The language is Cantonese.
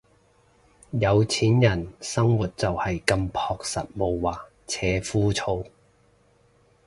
有錢人生活就係咁樸實無華且枯燥